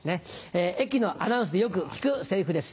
駅のアナウンスでよく聞くセリフです。